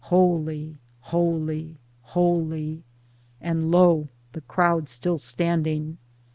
Holy! holy! holy! And lo ! the crowd still standing.